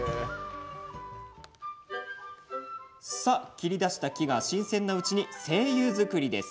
切り出した木が新鮮なうちに精油作り。